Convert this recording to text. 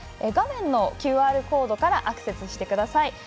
画面のＱＲコードからアクセスしてください。